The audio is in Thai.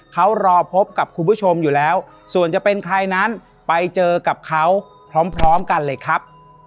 เขารอพบกับคุณผู้ชมอยู่แล้วส่วนจะเป็นใครนั้นไปเจอกับเขาพร้อมกันเลยครับ